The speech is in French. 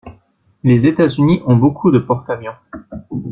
Les états unis ont beaucoup de porte avions.